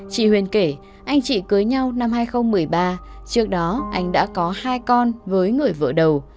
chị huyền kể anh chị cưới nhau năm hai nghìn một mươi ba trước đó anh đã có hai con với người vợ đầu